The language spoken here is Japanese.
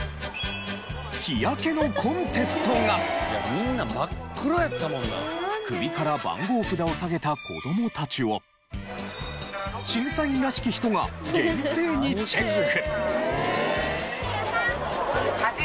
みんな真っ黒やったもな。首から番号札を下げた子供たちを審査員らしき人が厳正にチェック。